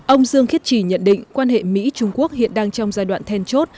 ông dương khiết trì nhận định quan hệ mỹ trung quốc hiện đang trong giai đoạn then chốt